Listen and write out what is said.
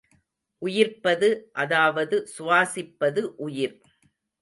உயிர்ப்பது அதாவது சுவாசிப்பது உயிர்.